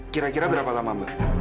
kira kira berapa lama mbak